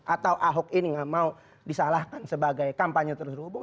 atau ahok ini nggak mau disalahkan sebagai kampanye terselubung